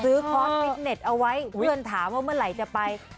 คอร์สฟิตเน็ตเอาไว้เพื่อนถามว่าเมื่อไหร่จะไป